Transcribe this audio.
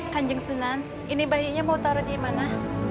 kan jengsunan ini bayinya mau taruh di mana